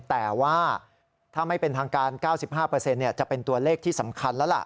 แต่ว่าถ้าไม่เป็นทางการ๙๕จะเป็นตัวเลขที่สำคัญแล้วล่ะ